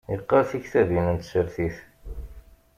Yeqqaṛ tiktabin n tsertit